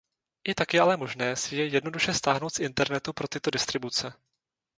I tak je ale možné si je jednoduše stáhnout z internetu pro tyto distribuce.